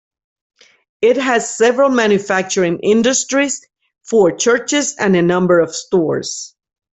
It has several manufacturing industries, four churches and a number of stores.